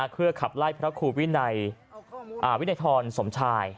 เพื่อขับไล่พระครูวินัยวินัยทรสมชาย